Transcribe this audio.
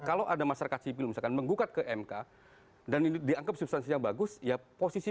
kalau ada masyarakat sipil misalkan menggugat ke mk dan ini dianggap substansinya bagus ya posisi